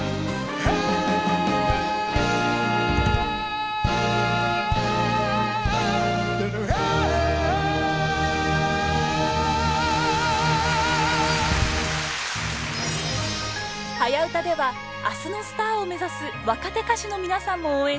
「はやウタ」では明日のスターを目指す若手歌手の皆さんも応援しています。